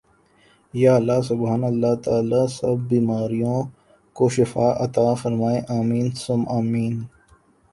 یا اللّٰہ سبحان اللّٰہ تعالی سب بیماروں کو شفاء عطاء فرمائے آمین ثم آمین